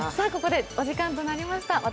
ここでお時間となりました。